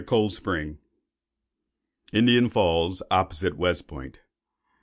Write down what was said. INDIAN FALLS, OPPOSITE WEST POINT.